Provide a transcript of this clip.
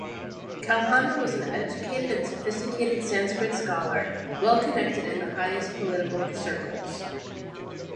Kalhana was an educated and sophisticated Sanskrit scholar, well-connected in the highest political circles.